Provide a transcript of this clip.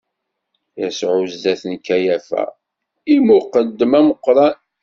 Yasuɛ zdat n Kayafa, lmuqeddem ameqqran.